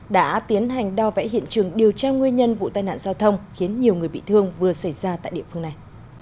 đã tiến hành đo vẽ hiện trường điều tra nguyên nhân vụ tai nạn giao thông khiến nhiều người bị thương vừa xảy ra tại địa phương này